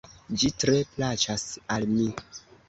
Ĝi tre plaĉas al mi.